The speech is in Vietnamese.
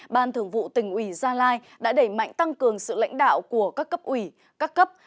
ban thường vụ tỉnh ủy gia lai đã đẩy mạnh tăng cường sự lãnh đạo của các cấp ủy các cấp